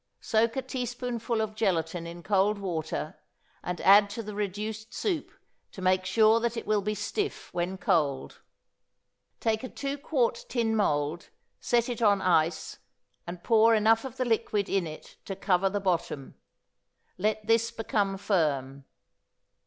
Soak a teaspoonful of gelatine in cold water, and add to the reduced soup to make sure that it will be stiff when cold. Take a two quart tin mould, set it on ice, and pour enough of the liquid in it to cover the bottom. Let this become firm.